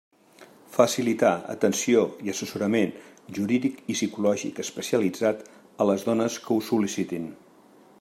Facilitar atenció i assessorament jurídic i psicològic especialitzat a les dones que ho sol·licitin.